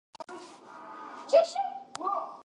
کشمیر او ملتان له افغانستان نه بیل شول.